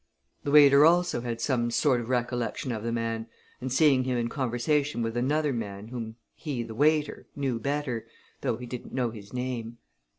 A waiter also had some sort of recollection of the man, and seeing him in conversation with another man whom he, the waiter, knew better, though he didn't know his name.